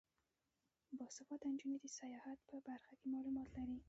باسواده نجونې د سیاحت په برخه کې معلومات لري.